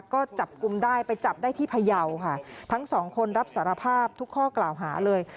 ก็จับกลุ่มได้ไปจับได้ที่พยาวค่ะทั้งสองคนรับสารภาพทุกข้อกล่าวหาเลย